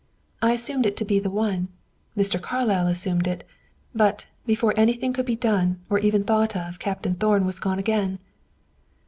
I assumed it to be the one; Mr. Carlyle assumed it; but, before anything could be done or even thought of Captain Thorn was gone again."